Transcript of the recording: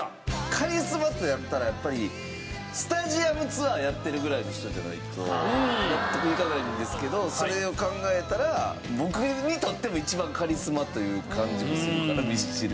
カリスマってなったらやっぱりスタジアムツアーやってるぐらいの人じゃないと納得いかないんですけどそれを考えたら僕にとっての一番カリスマという感じもするからミスチル。